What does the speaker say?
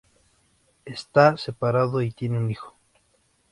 Está separado y tiene un hijo.